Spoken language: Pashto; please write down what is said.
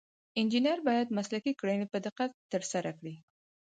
انجینر باید مسلکي کړنې په دقت ترسره کړي.